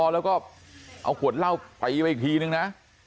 แล้วก็เอาขวดเหล้าตีไปอีกทีนึงนะ